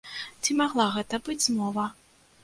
Ці магла гэта быць змова?